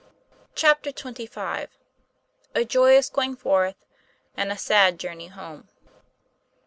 CHAPTER XXV. A JOYOUS GOING FORTH, AND A SAD JOURNEY HOME.